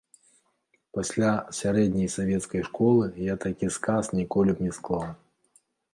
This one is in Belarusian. Пасля сярэдняй савецкай школы я такі сказ ніколі б не склаў.